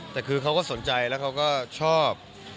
แต่คือเขาก็สนใจแล้วเขาก็ชอบ